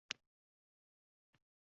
Ular jo’rovoz bo’lib tabriklashardi.